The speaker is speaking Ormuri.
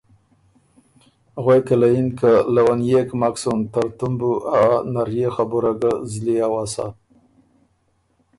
غوېکه له یِن که ”لونيېک مک سُن، ترتُوم بُو ا نرئے خبُره ګۀ زلی اؤسا“